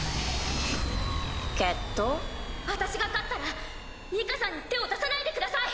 私が勝ったらニカさんに手を出さないでください。